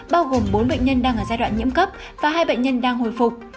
bao gồm bốn bệnh nhân đang ở giai đoạn nhiễm cấp và hai bệnh nhân đang hồi phục